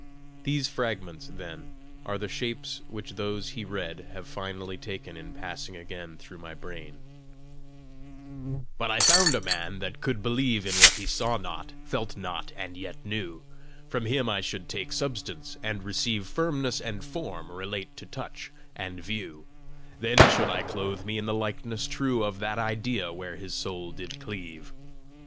These fragments, then, are the shapes which those he read have finally taken in passing again through my brain: "But if I found a man that could believe In what he saw not, felt not, and yet knew, From him I should take substance, and receive Firmness and form relate to touch and view; Then should I clothe me in the likeness true Of that idea where his soul did cleave!"